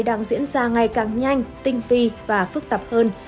đang diễn ra ngày càng nhanh tinh vi và phức tạp hơn